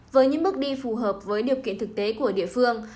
với những bước đi phù hợp với điều kiện thực tế của địa phương